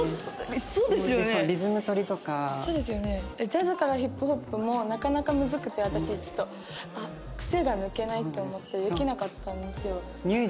ジャズからヒップホップもなかなかむずくて私ちょっと癖が抜けないって思ってできなかったんですよ。